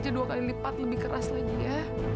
saya bakal kerja dua kali lipat lebih keras lagi ya